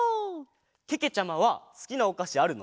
けけちゃまはすきなおかしあるの？